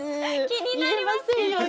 気になりますけど。